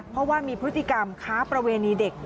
เพราะว่ามีพฤติกรรมค้าประเวณีเด็ก